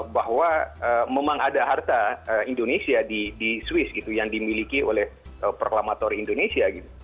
bahwa memang ada harta indonesia di swiss gitu yang dimiliki oleh proklamator indonesia